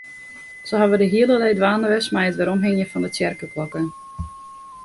Se hawwe de hiele dei dwaande west mei it weromhingjen fan de tsjerkeklokken.